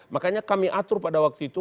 makanya kami atur pada waktu itu